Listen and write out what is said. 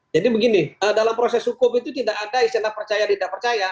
jadi begini dalam proses hukum itu tidak ada istilah percaya didak percaya